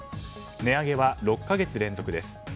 値上げは６か月連続です。